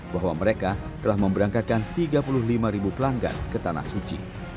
bahwa mereka telah memberangkatkan tiga puluh lima ribu pelanggan ke tanah suci